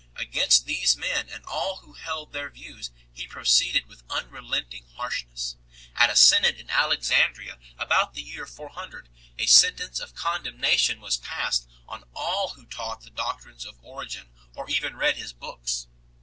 Against these men and all who held their views he proceeded with unrelenting harshness. At a synod in Alexandria 2 about the year 400 a sentence of condemnation was passed on all who taught the doctrines of Origen or even read his books.